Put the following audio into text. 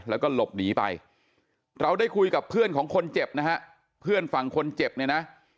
แล้วก็หลบหนีไปเราได้คุยกับเพื่อนของคนเจ็บนะฮะเพื่อนฝั่งคนเจ็บเนี่ยนะ